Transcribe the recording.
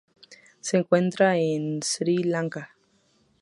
Se encuentra en Sri Lanka.